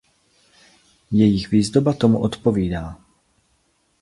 Jejich výzdoba tomu odpovídá.